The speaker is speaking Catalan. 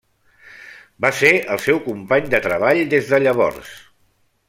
Va ser el seu company de treball des de llavors.